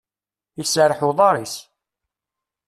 Iserreḥ uḍar-is.